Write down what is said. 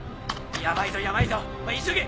ヤバいぞヤバいぞ急げ！